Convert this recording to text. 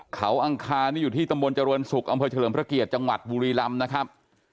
เขาอังคารนี่อยู่ที่ตำบลเจริญศุกร์อำเภอเฉลิมพระเกียรติจังหวัดบุรีลำนะครับ